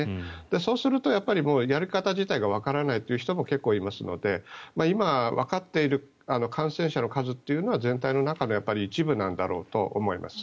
そうするともうやり方自体がわからないという人も結構いますので今、わかっている感染者の数というのは全体の中の一部なんだろうと思います。